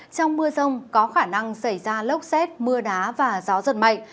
trong mưa rông có khả năng xảy ra lốc xét mưa đá và gió giật mạnh